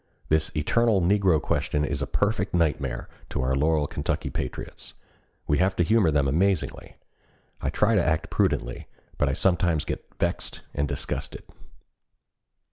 This eternal negro question is a perfect nightmare to our loyal Kentucky patriots. We have to humor them amazingly. I try to act prudently, but I sometimes get vexed and disgusted."